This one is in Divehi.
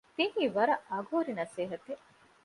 ދިނީ ވަރަށް އަގުހުރި ނަސޭހަތެއް